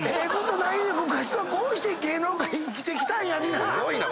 昔はこうして芸能界生きてきたんや皆。